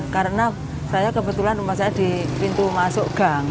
karena saya kebetulan rumah saya di pintu masuk gang